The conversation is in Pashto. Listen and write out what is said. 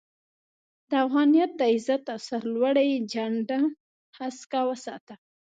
د افغانيت د عزت او سر لوړۍ جنډه هسکه وساته